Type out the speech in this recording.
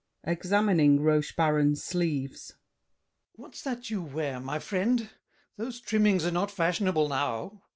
[Examining Rochebaron's sleeves. What's that you wear, my friend? Those trimmings are not fashionable now.